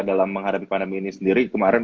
dalam menghadapi pandemi ini sendiri kemarin